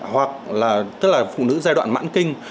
hoặc là tức là phụ nữ giai đoạn mãn kinh